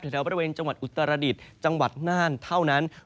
แถวถ้าวันอุตรรดิฟันจังหวัดนารเท่านั้น